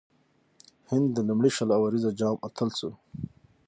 هند د لومړي شل اووريز جام اتل سو.